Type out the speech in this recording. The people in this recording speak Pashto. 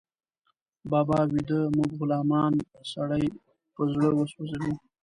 بابا ويده، موږ غلامان، سړی په زړه وسوځي